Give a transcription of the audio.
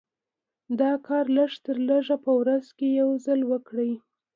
دا کار لږ تر لږه په ورځ کې يو ځل وکړئ.